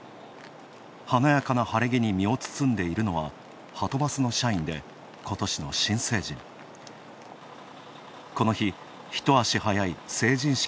華やかな晴れ着に身を包んでいるのははとバスの社員で、ことしの新成人。